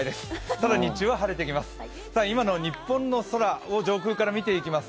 ただ日中は晴れてきます。